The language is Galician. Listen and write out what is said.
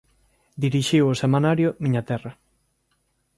Dirixiu o semanario "Miña Terra".